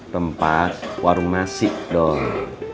tempat warung nasi doi